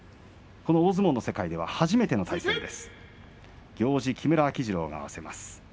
この大相撲の世界では初めての対戦です。